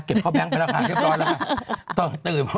เก็บเข้าแบงค์ไปแล้วค่ะ